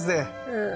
うん。